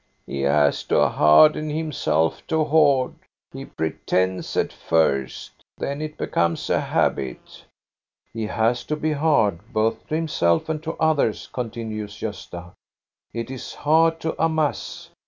•• He has to harden himself to hoard. He pretends at first; then it becomes a habit" " He has to be hard both to himself and to others," continues Gosta ;it is hard to amass.